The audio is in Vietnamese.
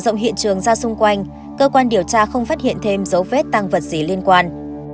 rộng hiện trường ra xung quanh cơ quan điều tra không phát hiện thêm dấu vết tăng vật gì liên quan